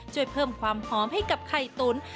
ช่วยเพิ่มความหอมให้กับไข่ตุ๋น